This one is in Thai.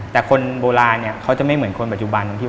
แต่คนโบราณเนี่ยเขาจะไม่เหมือนคนปัจจุบัน